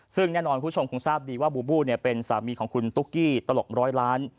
ซึ่งแน่นอนคุณผู้ชมคงทราบดีว่าบูบูเป็นสามีของคุณตุ๊กกี้ตลกร้อยล้าน